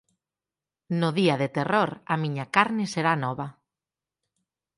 No día de terror, a miña carne será nova.